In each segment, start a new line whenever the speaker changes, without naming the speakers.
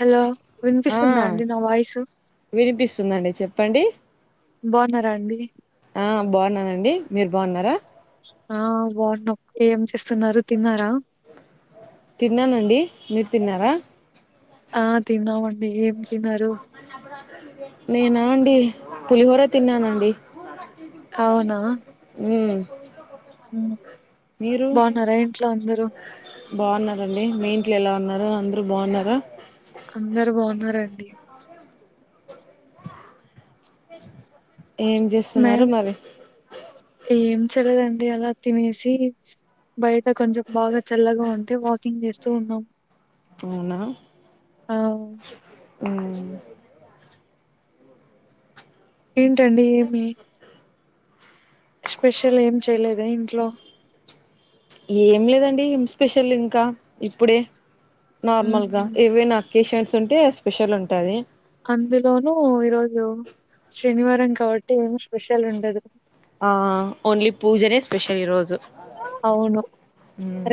Hello
ఆ
వినిపిస్తుందా అండి నా వాయిసు
వినిపిస్తుందండి చెప్పండి
బావున్నారా అండి
ఆ బాగున్నానండి మీర్ బాగున్నారా
ఆ బాగున్నం ఏం చేస్తున్నారు తిన్నారా
తిన్నానండి మీర్ తిన్నారా
మీర్ ఏం తినరు
నేనా అండి పులిహోర తిన్నానండి
అవునా
ఊమ్
బాగున్నారా ఇంట్లో అందరూ
అండి మీ ఇంట్లో ఎలా ఉన్నారు అందరూ బోన్నారా
అందరు బాగున్నారండి
ఏం చేస్తున్నారు మరి
చలేదండి అలా తినేసి బయట కొంచెం బాగా చల్లగా ఉంటే వాకింగ్ చేస్తూ ఉన్నాం
అవునా
ఆహ్
ఊమ్
ఏంటండి ఏమి స్పెషల్ ఏం చేయలేదా ఇంట్లో
ఏం లేదండి ఏం స్పెషల్ ఇంకా ఇప్పుడే నార్మల్ గా
ఉమ్
ఏవైనా అకేషన్స్ ఉంటే స్పెషల్ ఉంటాంది
అందులోనూ ఈరోజు శనివారం కాబట్టి ఏమ్ స్పెషల్ ఉండదు
ఆ ఓన్లీ పూజనే స్పెషల్ ఈ రోజు
ఆవును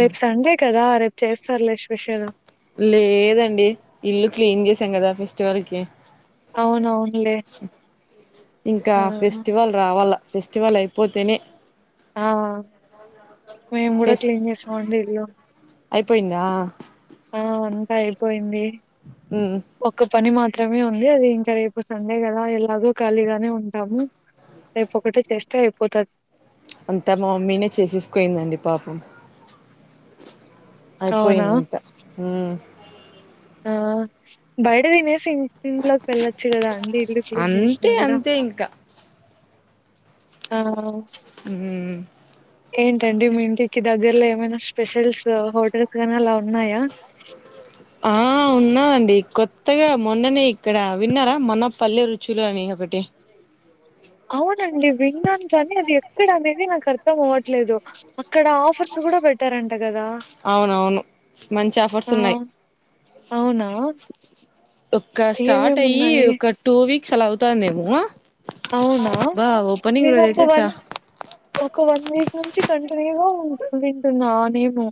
రేప్ సండే కదా రేపు చేస్తారులే స్పెషల్
లేదండి ఇల్లు క్లీన్ చేసాం కదా ఫెస్టివల్ కి
అవునవులే
ఇంకా ఫెస్టివల్ రావాల ఫెస్టివల్ అయిపోతేనే
ఆ మేమ్ కూడా
ఫెస్
క్లీన్ చేసామండి ఇల్లు
అయిపోయిందా
ఆ అంతా అయిపోయింది
ఉమ్
ఒక్క పని మా మాత్రమే ఉంది అది ఇంకా రేపు సండే కదా ఎలాగో ఖాళీగానే ఉంటాము రేప్ ఒకటే చేస్తే అయిపోతద్
అంతా మా మమ్మీనే చేసేస్కుయిందండి పాపం
అవునా?
అయిపోయినంత ఉమ్
ఆ బయట తినేసి ఇం ఇంట్లోక్ ఏళ్ళొచ్చు కదా ఆన్ డి ఇల్లు క్లీన్
అంతే
చేసిన కూడా
అంతే ఇంకా
ఆ
ఉమ్
ఏంటండి మీ ఇంటిక్ ఈ దగ్గర్లో ఏమైనా స్పెషల్స్ హోటల్స్ గానీ అలా ఉన్నాయా
ఆ ఉన్నాయి అండి కొత్తగా మొన్ననే ఇక్కడ విన్నారా మన పల్లె రుచులు అని బుటే
అవునండి విన్నాను కానీ అది ఎక్కడ అనేది నాక్ అర్థం అవ్వట్లేదు అక్కడ ఆఫర్స్ కూడా పెట్టారు అంట క
అవునవును మంచి ఆఫర్స్
ఆ!
ఉన్నాయి
అవునా?
ఒక స్టార్ట్ అయ్యి
ఏమేమున్నాయి?
ఒక టూ వీక్స్ అలా అవ్తందేమో.
అవ్నా నేను ఒక
అయితే చా
వన్ ఒక వన్ వీక్. నుంచి కంటిన్యూగా ఉన్ వింటున్నానేమో.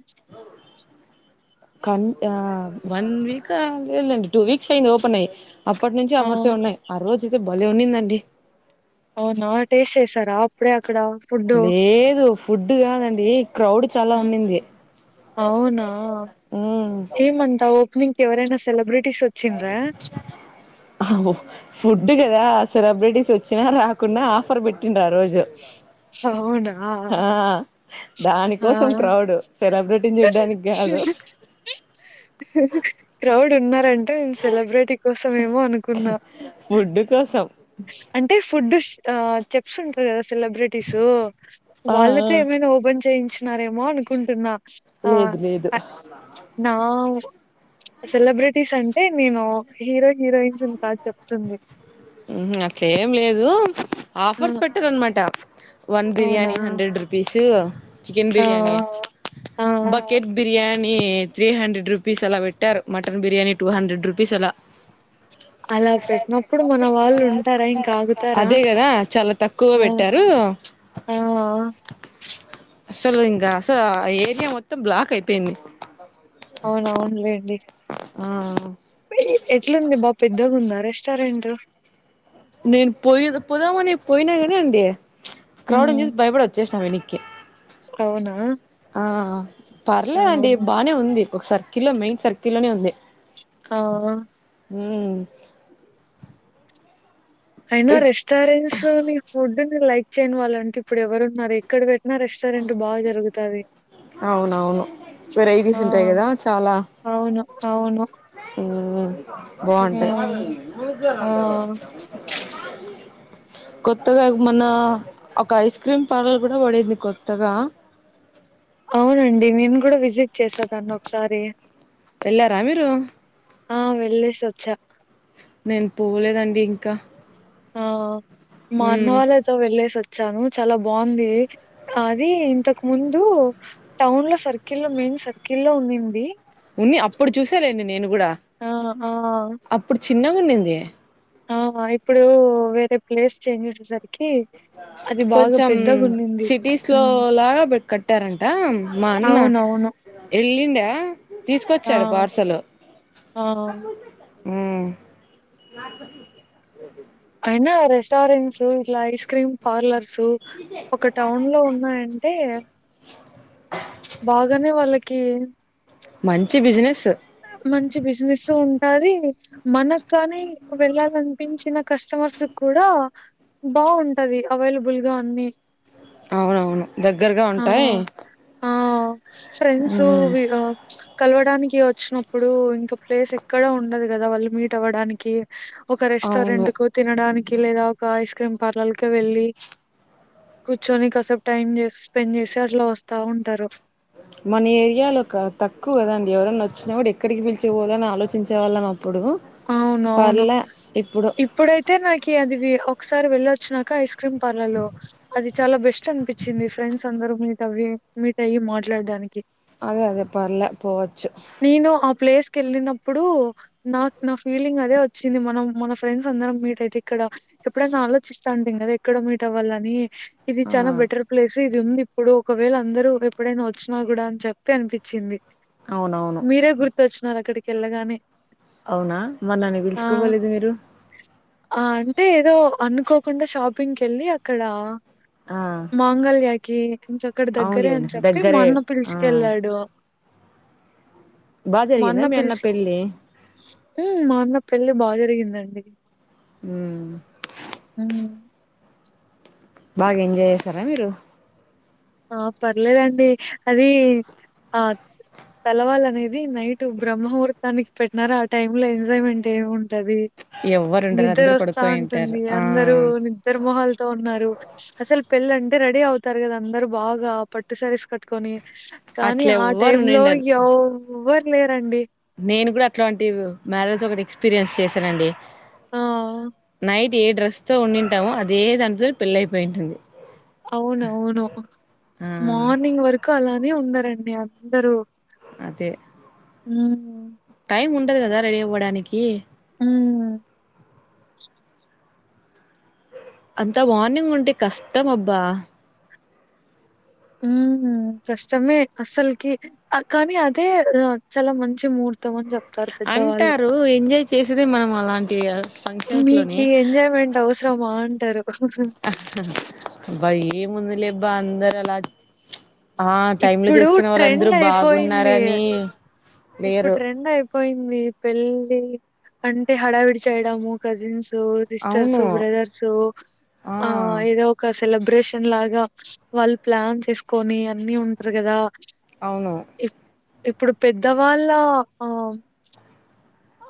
కన్ ఆహ్ వన్ వీక్ ఆహ్ లే లేండి టూ వీక్స్ అయింది ఓపెన్ అయ్యి. అప్పట్ నుంచి
ఆ!
ఆఫర్స్ ఉన్నాయి ఆ రోజ అయితే బలే ఉన్నిందండి.
అవునా టెస్ట్ చేశారా ఆ అప్పుడే అక్కడ ఫుడ్డు?
లేదు ఫుడ్ కాదండి క్రౌడ్ చాలా
ఆ!
ఉన్నింది
అవునా
ఉమ్
ఏమంతా ఓపనింగ్ ఎవరై సెలబ్రిటీస్ వచ్చిండ్రా?
అ ఫుడ్డు కదా సెలబ్రిటీస్ వచ్చినా రాకుండా ఆఫర్ పెట్టి ఇంకా ఆ రోజు
అవునా?
ఆహ్. దాని కోసం
ఆ!
క్రౌడ్ సెలబ్రిటీని చూడ్డానికి కాదు.
క్రౌడ్ ఉన్నారంటే నేను సెలబ్రిటీ కోసం ఏమో అనుకున్నా.
ఫుడ్ కోసం
అంటే ఫుడ్ ఆహ్ చెప్స్ంటారు కదా. సెలబ్రిటీసు
ఆ ఆ
వాళ్ళతో ఏమైనా ఓపెన్ చేయించినారేమో అనుకుంటున్నా. ఆహ్
లేదు
ఆ
లేదు
నా. సెలబ్రిటీస్ అంటే నేను హీరో హీరోయిన్సు కాదు చెప్తుంది.
ఉహు అట్లేం లేదు
ఆ!
ఆఫర్స్ పెట్టారునమాట. వన్
అవునా?
బిర్యానీ హండ్రెడ్ రుపీస్ చికెన్
ఆ!
బిర్యానీ.
ఆ!
Bucket biryani. Three hundred rupees అలా పెట్టారు mutton biryani two hundred rupees అలా.
అలా పెట్టినప్పుడు మన. వాళ్ళు ఉంటారా ఇంకా ఆగుతారా
అదే కదా చాలా తక్కువ
ఆహ్.
పెట్టారు
ఆహ్.
అసలు ఇంకా అసలు ఆ ఏరియా మొత్తం బ్లాక్ అయిపోయింది.
అవునవునులేండి.
ఆహ్.
ఎట్లుంది బాగా పెద్దగా ఉందా రెస్టారెంట్ట్.
నేను పోయి పోదామనీ పోయినా కానీ అండి ప్చ్ క్రౌడ్
ఉమ్,
చూసి భయపడి వచ్చేసినాండి.
అవునా.
ఆహ్
ఆ
పర్లేదండి బానే ఉంది ఒక సర్కిల్లో మెయిన్ సర్కిల్లోనే ఉంది.
అవునా.
ఉమ్.
అయినా రెస్టారెంట్స్ నీ ఫుడ్ని. లైక్ చేయని వాళ్ళంటు ఇప్పుడు ఎవరు ఉన్నారు ఎక్కడ పెట్టినా రెస్టారెంట్టు బాగా జరుగుతది.
అవునవును
ఆ
వెరైటీస్ ఉంటాయి కదా చాలా.
అవును అవును
ఉమ్.
ఆ
బాగుంటాది.
ఆ
కొత్తగా మొన్న ఒక ఐస్ క్రీమ్ పార్లర్ కూడా పడింది కొత్తగా.
అవునండి నేను కూడా విజిట్ చేసదాన్ని ఒకసారి.
ఎల్లారా మీరు.
ఆహ్ వెళ్ళసి వచ్చా.
నేను పోలేదండి ఇంకా.
ఆహ్ మా అన్న
మ్మ్
వాళ్ళతో వెళ్ళలేసి వచ్. వచ్చాను చాలా బాగుంది అది ఇంతకు ముందు టౌన్ లో సర్కిల్ లో మెయిన్. సర్కిల్ లో ఉండింది.
ఉన్ని అప్పుడు చూసాలేండి నేను.
ఆహ్ ఆహ.
చిన్నగుండింది.
ఆహ్ ఇప్పుడు వేరే ప్లేస్ చేంజేసెసరికి.
కొంచం సిటీస్ లో
హ్మ్
లాగా కట్టారంట మా అన్న
అవునవును.
ఎల్లిండ
ఆ!
తీసుకొచ్చాడు పార్సల్లు
ఆ
ఉ
విన్న రెస్టారెంట్స్ ఇట్లా ఐస్ క్రీమ్ పార్లర్స్. సో ఒక టౌన్ లో ఉన్నాయంటే. బాగానే వాళ్ళకి.
మంచి బిజినెస్.
మంచి బిజినెసు ఉంటాది మనకు కానీ వెళ్ళాలనిపించిన కస్టమర్స్ కూడా బాగుంటది అవైలబుల్ గా అన్ని
అవునవును దగ్గరగా ఉంటాయ్
ఆ! ఆ ఫ్రెండ్స్ వి కలవడానికి వ చ్చినప్పుడు ఇంకా ప్లేస్ ఎక్కడా ఉండదు గాదా వాళ్ళు మీట్ అవ్వడానికి ఒక
అవును
రెస్టారెంట్ కు తినడానికి లేదా ఒక ఐస్ క్రీమ్ పార్లర్కి వెళ్ళి కూచోని కాసేపు టైం స్పెండ్ చేసి అట్లా వస్తా ఉంటారు
మన ఏరియాలో ఒక తక్కువ కదండి ఎవరన్నా వచ్చినా కూడా ఎక్కడికి పిలిచిపోవాలని ఆలోచించే వాళ్ళము
అవును అవును
ఇప్పుడు
ఇప్పుడైతే నాకి అది వి ఒకసారి వెళ్లోచ్చినాక ఐస్ క్రీమ్ పార్లరు అది చాలా బెస్ట్ అనిపించింది ఫ్రెండ్స్ అందరు మీట్ అవ్వి మీట్ అయ్యి మాట్లాడడానికి
అదే అదే పర్లే పోవచ్చు
కెళ్ళినప్పుడు నా నా ఫీలింగ్ అదే వచ్చింది మనం మన ఫ్రెండ్స్ అందరం మీట్ అయితే ఇక్కడ ఎప్పుడైనా ఆలోచిస్తాటిమి కదా ఎక్కడ క్కడ మీట్ అవ్వాలని ఇది
ఆ
చాలా బెటర్ ప్లేస్ ఇది ఉంది ఇప్పుడు ఒకవేళ అందరూ ఎప్పుడైనా వచ్చిన కూడా అని చెప్పి అనిపించింది
అవునవును
న్నారు అక్కడికి వెళ్లగానే
అవునా మరి నన్ను
ఆ
పిలుచుకోపోలేదు మీరు
ఆ అంటే ఏదో అనుకోకుండా షాపింగ్ కి వెళ్లి అక్కడ
ఆ
మాంగళ్యాకి ఇంకక్కడ దగ్గరే
అవునులేండి
అని చెప్పి మా
దగ్గరే
అన్న
ఆ
పిలుచుకెళ్లాడు
బాగా జరిగిందా మీ అన్న
పిలిచి
పెళ్ళి
హ్మ్. మా అన్న పెళ్లి బా జరిగిందండి
ఊ
హ్మ్.
బాగా ఎంజాయ్ జేసారా మీరు
ఆ పర్లేదండి అది ఆ తెలవలానేది నైట్ బ్రహ్మముహుర్తానికి పెట్టినారు ఆ టైమ్ లో ఎంజాయ్మెంట్ ఏమి ఉంటది
ఎవ్వరు ఉండరు
నిద్ర
అందరు
వస్తా
పడుకోయింటారు
ఉంటుంది
ఆ
అందరూ నిద్ర మొహల్ తో ఉన్నారు అసలు పెళ్ళి అంటే రెడీ అవుతారు కదా అందరు బాగా పట్టు సారీస్ కట్టుకొని కానీ
అట్లా
ఆ
ఎవ్వరు
టైమ్ లో
ఉండిండరు
ఎవ్వరు లేరండి
నేను కూడా అట్లాంటి మ్యారేజ్ ఒకటి ఎక్స్పీరియన్స్ చేశానండి
ఆ
నైట్ ట్ ఏ డ్రస్ తో ఉన్నిన్టామో అదే దాంతో పెళ్లి అయిపోయి ఉంటుంది
అవునవును
ఆ
మార్నింగ్ వరకు అలానే ఉన్నరండి అందరూ
అదే
ఉమ్
టైం ఉండదు కదా రెడీ అవ్వడానికి
ఉమ్
అంతా మార్నింగ్ ఉంటే కష్టం అబ్బా
ఉమ్ కష్టమే అసల్కి కానీ అదే చాలా మంచి మూర్
అంటారు ఎంజాయ్ చేసేదే మనం అలం కే ఫంక్షన్స్ లోనే
మీకీ ఎంజాయ్‌మెంట్ అవసరమా అంటారు.
అబ్బా ఏ ముందు లేబ్బా అందరలా ఆ టైమ్ లో
ఇప్పుడు
చేసుకునే
ట్రెండ్
వాళ్ళుందరూ
అయిపోయింది.
బాగున్నారని
ఇప్పుడు
లేరు
ట్రెండ్ అయిపోయింది పెళ్ళి అంటే హడావిడి చేయడము కజిన్స్ న్స్
అవును
సిస్టర్సు బ్రదర్సు ఆ ఏదో అవకా సెలబ్రేషన్ లాగా వాళ్ళు ప్లాన్ చేసుకొని అన్నీ ఉంట్రు కదా
అవును
ఇప్పుడు పెద్దవాళ్ళా ఆ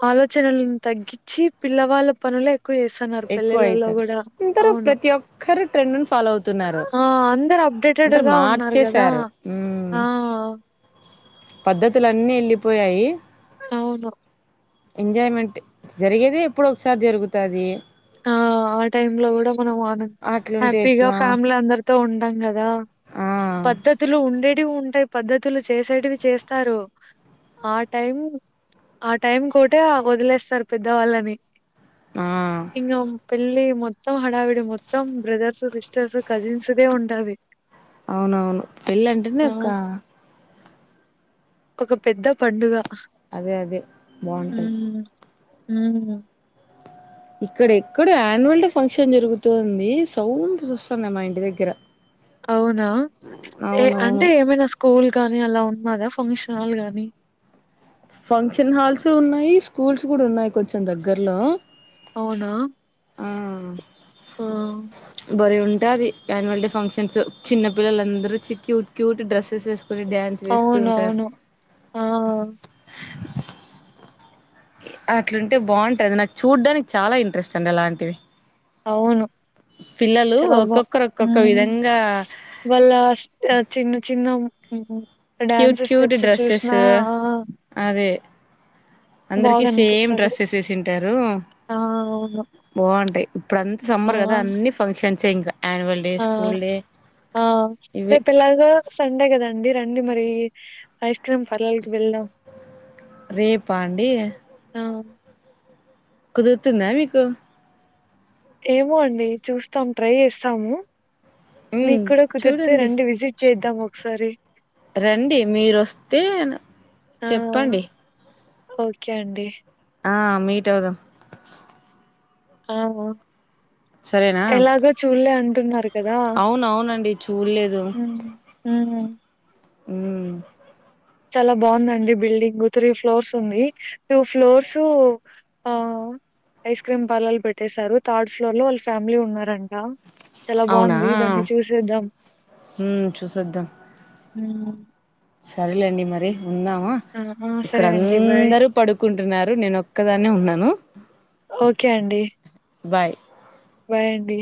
ఆలోచనలని తగ్గిచ్చి పిల్లవాళ్ళ పనులే ఎక్కువ జేస్సానారు
ఎక్కువ
పెళ్ళిలల్లో
అయితారు
కూడా
అందరూ ప్రతి ఒక్కరు ట్రెండ్ని ఫాలో అవుతున్నారు
ఆ అందరు అప్డేటెడ్
అందరు
గా ఉన్నారు కదా
మార్చేశారు మ్మ్
ఆ
పద్ధతులన్నీ ఎళ్ళిపోయాయి
అవును
ఎంజాయ్మెంట్ జరిగేదేప్పుడో ఒకసారి జరుగుతాది
ఆ ఆ టైంలో కూడా మనం ఆనం
అట్లుంటే
హ్యాపీగా
ఎట్లా
ఫ్యామిలీ అందరితో ఉంటాం కదా దా
ఆ
పద్ధతులు ఉండేటివుంటయి పద్ధతులు చేసేటివి చేస్తారు ఆ టైం ఆ టైం కూటా వదిలేస్తరు పెద్దవాళ్ళని
ఆ
ఇంకమ్ పెళ్ళీ మొత్తం హడావిడి మొత్తం బ్రదర్స్ సిస్టర్స్ కజిన్స్దే ఉంటది
అవునవును పెళ్ళంటనే
ఆ
ఒక
ఒక పెద్ద పండుగ
అదే అదే బాగుంటది
ఉమ్ ఉమ్
ఇక్కడెక్కడో ఆన్యువల్ డే ఫంక్షన్ జరుగుతోంది సౌంసొస్సున్నయ్ మా ఇంటి దగ్గర
అవునా ఏ అంటే
అవునవును
ఏమైనా స్కూల్ గానీ అలా ఉ మదా ఫంక్షనాల్ గానీ
ఫంక్షన్ హాల్సూ ఉన్నాయి స్కూల్స్ కూడా ఉన్నాయి కొంచెం దగ్గర్లో
అవునా? ఆ
బలే ఉంటాది యాన్యువల్ డే ఫంక్షన్స్ చిన్న పిల్లలందరూ చి క్యూట్ క్యూట్ డ్రెస్సెస్ వేసు కొని డ్యాన్స్ వేస్తూ ఉంటారు
అవునవును. ఆ!
అట్లుంటే బాగుంటది నాకు చూడ్డానికి చాలా ఇంట్రెస్ట్ అండి అలాంటివి
అవును
పిల్లలు
చాలా బా
ఒక్కొక్కరు ఒక్కొక్క
హ్మ్
విధంగా
వాళ్ళా స్టా చిన్న చిన్న ఉహు
క్యూట్ క్యూట్ డ్రెస్సె స్సూ
ఆ!
అదే అందర్కీ సేమ్
బాగనిపిస్తది.
డ్రెస్సెస్ వేసుంటారూ
ఆ! అవును.
బావుతాయి ఇప్పుడంతా
ఆ!
సమ్మర్ కదా అన్ని ఫంక్షన్స్ ఏ ఇంకా యాన్యువల్ డే
ఆ
స్కూల్ డే
ఆ
ఇవే
రేపెలాగో సండే కదండి రండి మరీ ఐస్ క్రీమ్ పార్లర్ వెళ్దాం
రేపా అండి
ఆ
కుదురుతుందా మీకు
ఏమో అండి చూస్తాం ట్రై చేస్తాము
ఉమ్
నీక్కూడా కుదిర్తే
చూడండి
రండి విసిట్ చేద్దాం ఒకసారి
రండి మీరొస్తే
ఆ
చెప్పండి
ఓకే అండి
ఆ మీట్ అవుదాం
ఆ ఆ
సరేనా
ఎలాగో చూల్లే అంటున్నారు కదా
చూల్లేదూ
ఉహు
ఉమ్
చాలా బావుందండి బిల్డింగు త్రీ ఫ్లోర్స్ ఉంది టూ ఫ్లోర్సూ ఆ ఐస్ క్రీమ్ పార్లర్లు పెట్టేేసారు థర్డ్ ఫ్లోర్లో వాల ఫ్యామిలీ ఉన్నారంట చాలా
అవునా
బాగుంది దాన్ని చూసేద్దాం
మ్మ్
ఊ
సరేల్లేండి మరి ఉందామా
ఆహా! సరే అండి. బాయ్.
ఇక్కడ్డందరూ పడుకుంటున్నారు నేను ఒక్కదాన్నే ఉన్నాను
ఓకే అండి
బాయ్
బాయ్ అండి